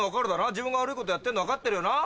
自分が悪いことやってるの分かってるよな？